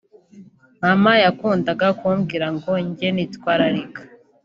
Mama yakundaga kumbwira ngo njye nitwararika